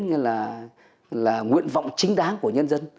như là nguyện vọng chính đáng của nhân dân